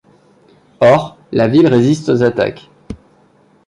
Or, la ville résiste aux attaques.